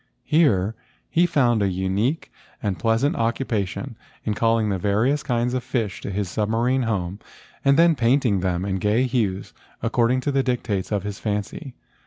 Here he found a unique and pleasant occupation in calling the various kinds of fish to his submarine home and then paint¬ ing them in gay hues according to the dictates of his fancy.